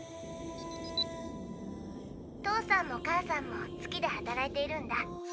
父さんも母さんも月で働いているんだ。